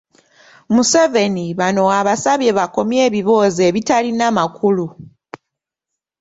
Museveni bano abasabye bakomye ebiboozi ebitalina makulu.